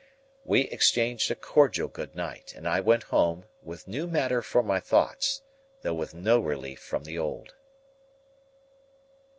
We exchanged a cordial good night, and I went home, with new matter for my thoughts, though with no relief from the old.